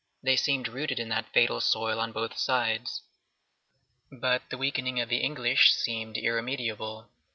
They seemed rooted in that fatal soil on both sides. But the weakening of the English seemed irremediable.